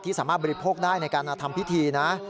สามารถบริโภคได้ในการทำพิธีนะ